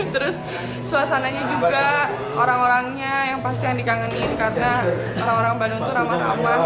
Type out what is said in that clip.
terus suasananya juga orang orangnya yang pasti yang dikangenin karena orang orang bandung itu ramah ramah